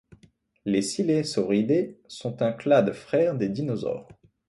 Les silésauridés sont un clade frère des dinosaures.